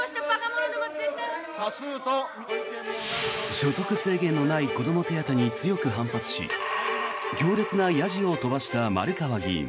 所得制限のない子ども手当に強く反発し強烈なやじを飛ばした丸川議員。